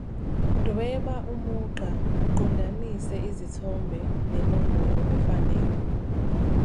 Dweba umugqa uqondanise izithombe nenombolo efanele.